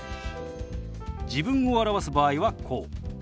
自分を表す場合はこう。